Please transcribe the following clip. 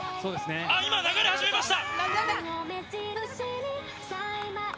あっ、今、流れ始めました。